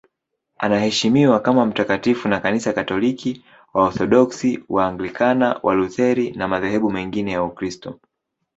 Anaheshimiwa kama mtakatifu na Kanisa Katoliki, Waorthodoksi, Waanglikana, Walutheri na madhehebu mengine ya Ukristo.